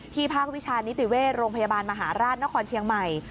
ภาควิชานิติเวชโรงพยาบาลมหาราชนครเชียงใหม่